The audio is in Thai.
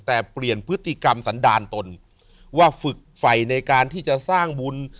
แต่เปลี่ยนพฤติกรรมสันดาลตนว่าฝึกไฟในการที่จะสร้างบุญ